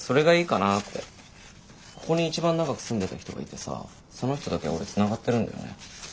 ここに一番長く住んでた人がいてさその人だけ俺つながってるんだよね。